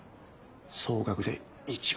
総額で１億。